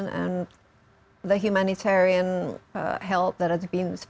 yang kita sebutkan dalam laporan ini